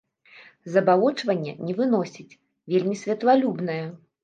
Забалочвання не выносіць, вельмі святлалюбная.